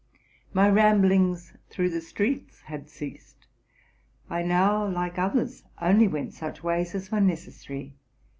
My ramblings through the streets had ceased: I now, like others, only went such ways as were necessary.